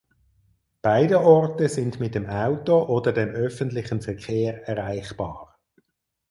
Beide Orte sind mit dem Auto oder dem öffentlichen Verkehr erreichbar.